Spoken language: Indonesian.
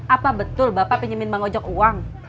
apa betul bapak pinjemin bank ojek uang